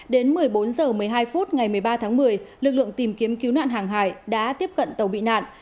đến một mươi bốn h một mươi hai phút ngày một mươi ba tháng một mươi lực lượng tìm kiếm cứu nạn hàng hải đã tiếp cận tàu bị nạn